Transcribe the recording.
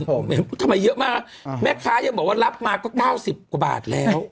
โอ้โหทำไมเยอะมากแม่ค้ายังบอกว่ารับมาก็๙๐กว่าบาทแล้ว